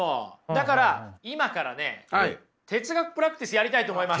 だから今からね哲学プラクティスやりたいと思います。